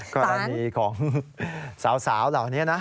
กรณีของสาวเหล่านี้นะ